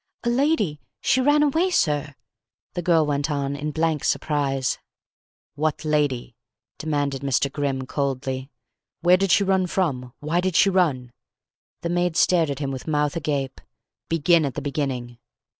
"A lady she ran away, sir," the girl went on, in blank surprise. "What lady?" demanded Mr. Grimm coldly. "Where did she run from? Why did she run?" The maid stared at him with mouth agape. "Begin at the beginning."